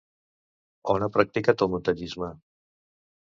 On ha practicat el muntanyisme?